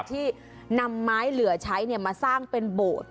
ที่นำไม้เหลือใช้มาสร้างเป็นโบสถ์